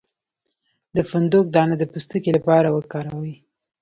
د فندق دانه د پوستکي لپاره وکاروئ